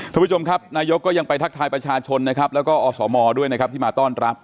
ทุกผู้ชมครับนายุคก็ยังไปทักทายประชาชนและอศมที่มาต้อนรับ